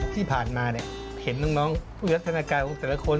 ที่ผ่านมาเห็นน้องวิวัฒนาการของแต่ละคน